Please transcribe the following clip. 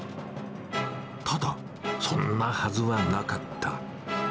ただ、そんなはずはなかった。